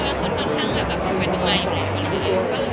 ขอบคุณภาษาให้ด้วยเนี่ย